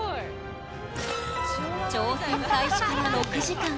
挑戦開始から６時間。